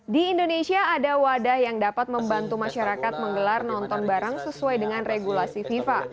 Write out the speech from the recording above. di indonesia ada wadah yang dapat membantu masyarakat menggelar nonton bareng sesuai dengan regulasi fifa